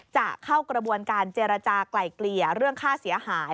จะเข้ากระบวนการเจรจากลายเกลี่ยเรื่องค่าเสียหาย